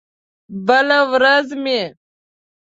بله ورځ مې